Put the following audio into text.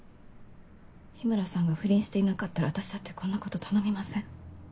日村さんが不倫していなかったら私だってこんなこと頼みません。